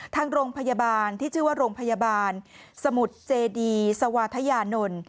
ทางโรงพยาบาลที่ชื่อว่าโรงพยาบาลสมุทรเจดีสวาธยานนท์